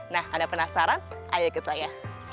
nah ada penasaran ayo kita ya